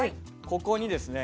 ここにですね